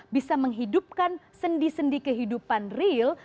bisa menghidupkan sendi sendi kehidupan real